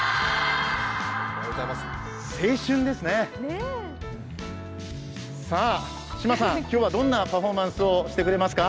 青春ですね、今日はどんなパフォーマンスをしてくれますか？